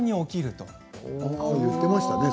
最初に言っていましたね。